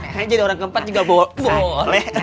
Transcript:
aku jadi orang keempat juga boleh